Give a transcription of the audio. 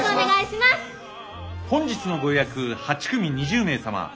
本日のご予約８組２０名様。